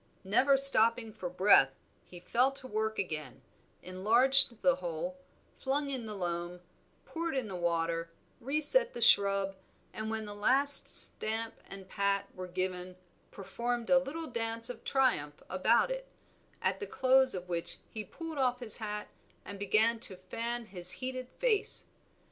Never stopping for breath he fell to work again, enlarged the hole, flung in the loam, poured in the water, reset the shrub, and when the last stamp and pat were given performed a little dance of triumph about it, at the close of which he pulled off his hat and began to fan his heated face.